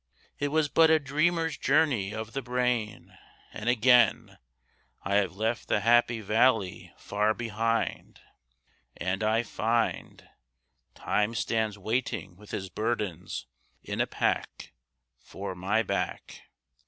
It was but a dreamer's journey of the brain; And again I have left the happy valley far behind; And I find Time stands waiting with his burdens in a pack For my back.